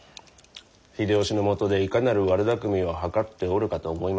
秀吉のもとでいかなる悪だくみを謀っておるかと思いましてな。